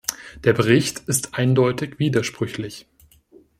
Der Bericht ist eindeutig widersprüchlich.